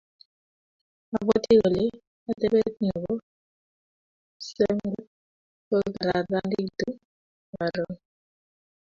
Abwati kole atepet nebo psengwet ko kararanitu karon